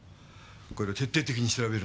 これらを徹底的に調べるんだ。